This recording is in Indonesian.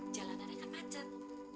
jalanan akan macet